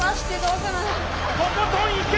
とことんいけ！